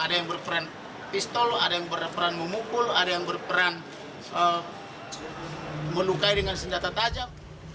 ada yang berperan pistol ada yang berperan memukul ada yang berperan melukai dengan senjata tajam